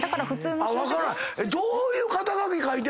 ⁉どういう肩書書いてあるの？